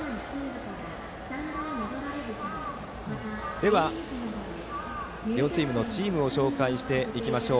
では、両チームのチームを紹介していきましょう。